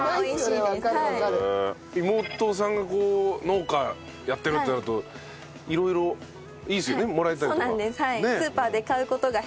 義妹さんが農家やってるってなると色々いいですよねもらえたりとか。